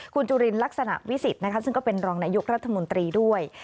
คุณจุลินลักษณะวิสิทธิ์ซึ่งก็เป็นรองนายกรัฐมนตรีด้วย